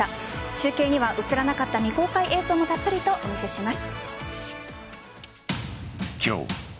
中継には映らなかった未公開映像もたっぷりとお見せします。